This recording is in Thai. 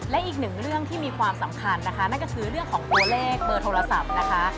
และอีกหนึ่งเรื่องที่มีความสำคัญนะคะนั่นก็คือเรื่องของตัวเลขเบอร์โทรศัพท์นะคะ